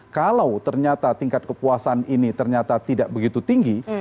kalau ternyata tingkat kepuasan ini ternyata tidak begitu tinggi